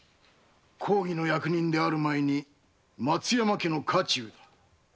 公儀の役人である前に松山家の家臣だ。